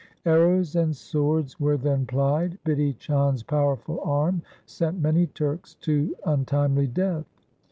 Arrows and swords were then plied. Bidhi Chand's powerful arm sent many Turks to untimely death.